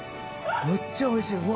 むっちゃおいしいうわ！